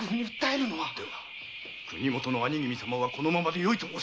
国もとの兄君様はこのままでよいと申すか？